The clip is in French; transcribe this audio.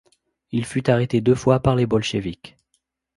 Il fut arrêté deux fois par les Bolcheviks.